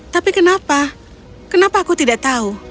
tapi kenapa kenapa aku tidak tahu